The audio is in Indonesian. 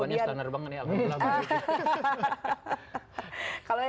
jawabannya standar banget ya alhamdulillah